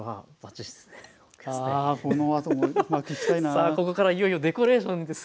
さあここからいよいよデコレーションです。